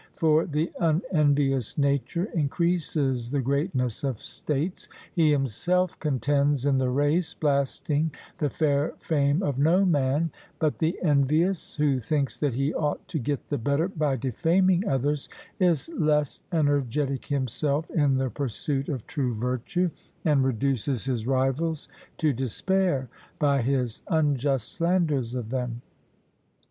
For the unenvious nature increases the greatness of states he himself contends in the race, blasting the fair fame of no man; but the envious, who thinks that he ought to get the better by defaming others, is less energetic himself in the pursuit of true virtue, and reduces his rivals to despair by his unjust slanders of them.